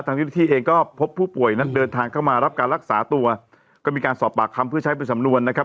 ที่เองก็พบผู้ป่วยนั้นเดินทางเข้ามารับการรักษาตัวก็มีการสอบปากคำเพื่อใช้เป็นสำนวนนะครับ